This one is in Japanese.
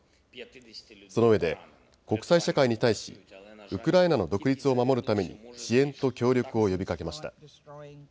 そのうえで国際社会に対しウクライナの独立を守るために支援と協力を呼びかけました。